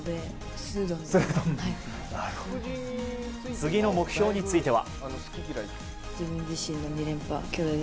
次の目標については。